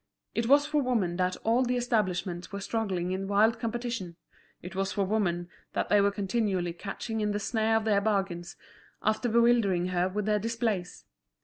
It was for woman that all the establishments were struggling in wild competition, it was woman that they were continually catching in the snare of their bargains, after bewildering her with their displays.